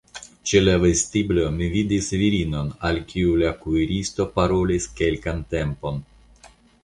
Ĉe la vestiblo mi vidis virinon, al kiu la kuiristo parolis kelkan tempon.